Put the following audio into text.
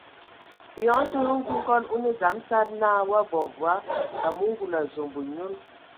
Eyɔŋ tə ndə hm nkɔkɔŋ o nə dzam tadi na o abɔ mvoa, amu ngul azombo nyɔl.